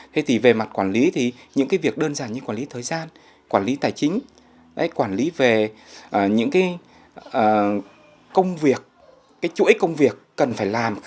thế thì về mặt quản lý thì những cái việc đơn giản như quản lý thời gian quản lý tài chính quản lý về những cái công việc cái chuỗi công việc cần phải làm